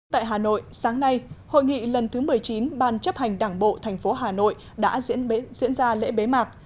tại hà nội sáng nay hội nghị lần thứ một mươi chín ban chấp hành đảng bộ thành phố hà nội đã diễn ra lễ bế mạc